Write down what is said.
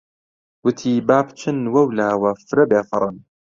وتی: با بچن وەولاوە فرە بێفەڕن!